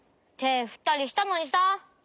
てふったりしたのにさ！